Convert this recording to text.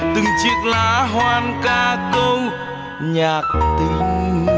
từng chiếc lá hoan ca câu nhạc tinh